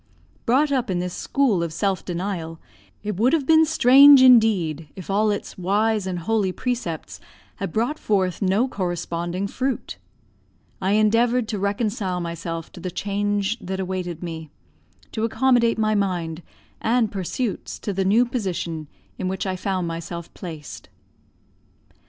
Brought up in this school of self denial, it would have been strange indeed if all its wise and holy precepts had brought forth no corresponding fruit. I endeavoured to reconcile myself to the change that awaited me, to accommodate my mind and pursuits to the new position in which I found myself placed.